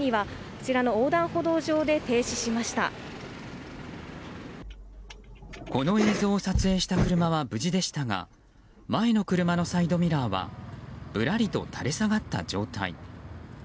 こちらの横断歩道上でこの映像を撮影した車は無事でしたが前の車のサイドミラーはぶらりと垂れ下がった状態。